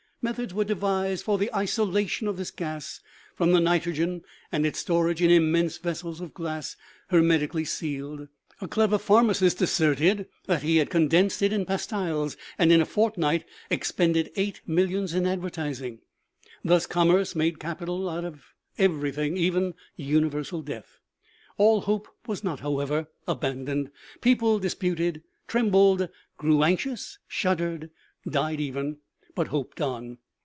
Methods were devised for the isolation of t'lis gas from the nitrogen and its stor age in immense vessels of glass hermetically sealed. A clever pharmacist asserted that he had condensed it in pastiles, and in a fortnight expended eight mill ions in advertising. Thus commerce made capital out of everything, even universal death. All hope was not, however, abandoned. People disputed, trembled, grew anxious, shuddered, died even but hoped on.